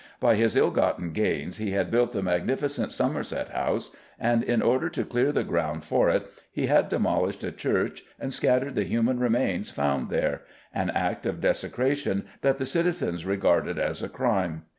By his ill gotten gains he had built the magnificent Somerset House, and in order to clear the ground for it he had demolished a church and scattered the human remains found there an act of desecration that the citizens regarded as a crime.